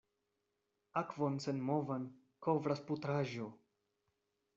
Akvon senmovan kovras putraĵo.